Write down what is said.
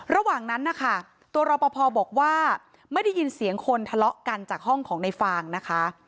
ระหว่างนั้นนะคะตัวรอปภบอกว่าไม่ได้ยินเสียงคนทะเลาะกันจากห้องของในฟางนะคะ